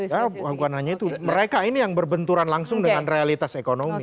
ya bukan hanya itu mereka ini yang berbenturan langsung dengan realitas ekonomi